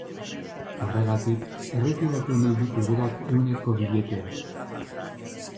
Horregatik erretiratu nahi ditu berak ehuneko billeteak.